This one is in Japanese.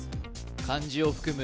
漢字を含む